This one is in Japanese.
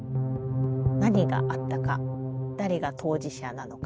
何があったか誰が当事者なのか。